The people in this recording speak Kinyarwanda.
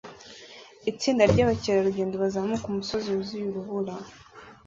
Itsinda ry'abakerarugendo bazamuka umusozi wuzuye urubura